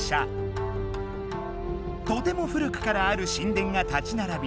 とても古くからある神殿が立ちならび